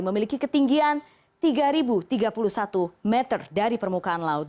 memiliki ketinggian tiga tiga puluh satu meter dari permukaan laut